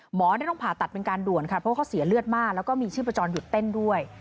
หมอได้ต้องผ่าตัดเป็นการด่วนเพราะเขาเสียเลือดมากและมีชื่อประจอนหยุดเต้นด้วย